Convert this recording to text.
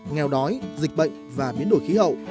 nghèo đói dịch bệnh và biến đổi khí hậu